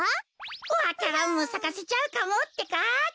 わか蘭もさかせちゃうかもってか。